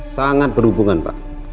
sangat berhubungan pak